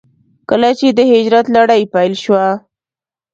کله چې د هجرت لړۍ پيل شوه.